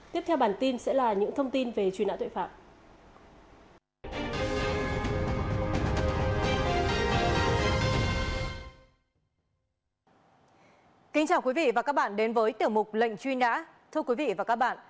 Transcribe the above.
tiếp theo bản tin sẽ là những thông tin về truy nã tội phạm